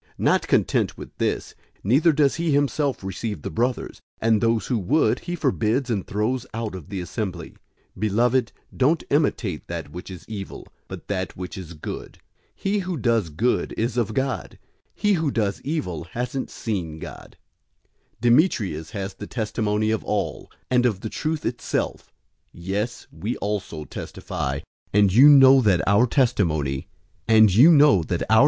Not content with this, neither does he himself receive the brothers, and those who would, he forbids and throws out of the assembly. 001:011 Beloved, don't imitate that which is evil, but that which is good. He who does good is of God. He who does evil hasn't seen God. 001:012 Demetrius has the testimony of all, and of the truth itself; yes, we also testify, and you know that our testimony is true.